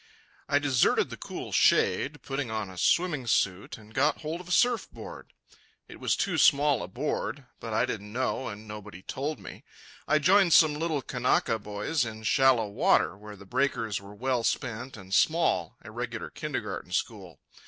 I deserted the cool shade, put on a swimming suit, and got hold of a surf board. It was too small a board. But I didn't know, and nobody told me. I joined some little Kanaka boys in shallow water, where the breakers were well spent and small—a regular kindergarten school.